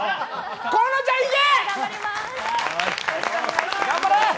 河野ちゃん、行け！